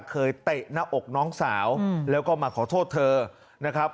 เตะหน้าอกน้องสาวแล้วก็มาขอโทษเธอนะครับ